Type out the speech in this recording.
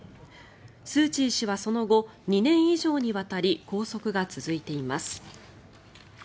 スーチー氏はその後２年以上にわたり拘束が続いています。